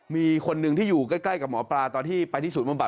มีคนหนึ่งที่อยู่ใกล้กับหมอปลาตอนที่ไปที่ศูนย์บำบั